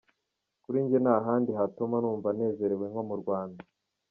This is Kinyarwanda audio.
Kuri njye nta handi hatuma numva nezerewe nko mu Rwanda.